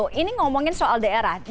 kita ngomongin soal daerah